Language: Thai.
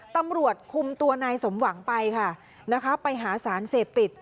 ตำรวจคุมตัวนายสมหวังไปค่ะนะคะไปหาสารเสพติด